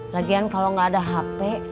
lagian kalau nggak ada hp